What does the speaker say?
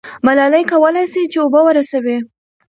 ملالۍ کولای سي چې اوبه ورسوي.